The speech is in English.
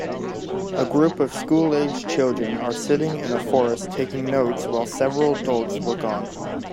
A group of schoolaged children are sitting in a forest taking notes while several adults look on.